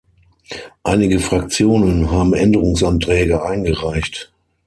Einige Fraktionen haben Änderungsanträge eingereicht.